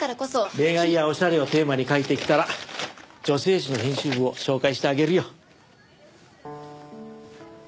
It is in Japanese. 恋愛やおしゃれをテーマに書いてきたら女性誌の編集部を紹介してあげるよ。